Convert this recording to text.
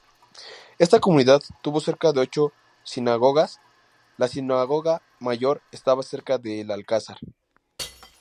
Esta comunidad tuvo cerca de ocho sinagogas; la sinagoga mayor estaba cerca del alcázar.